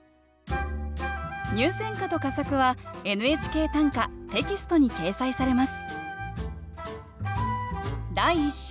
入選歌と佳作は「ＮＨＫ短歌」テキストに掲載されます